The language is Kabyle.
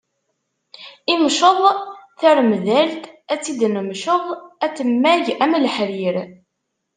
Imceḍ, taremdalt, ad tt-id-nemceḍ, ad temmag am leḥrir.